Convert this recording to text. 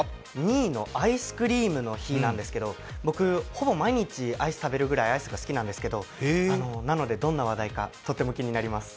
２位のアイスクリームの日なんですけど僕、ほぼ毎日、アイス食べるぐらいアイスが好きなんですけどなので、どんな話題がとても気になります。